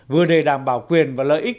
vừa để đảm bảo quyền và lợi ích